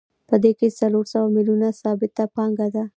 په دې کې څلور سوه میلیونه ثابته پانګه ده